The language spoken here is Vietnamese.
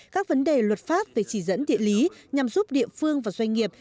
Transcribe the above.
các vấn đề luật pháp về chỉ dẫn địa lý nhằm giúp địa phương và doanh nghiệp